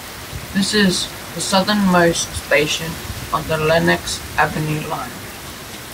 This is the southernmost station on the Lenox Avenue Line.